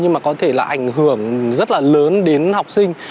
nhưng mà có thể là ảnh hưởng rất là lớn đến học sinh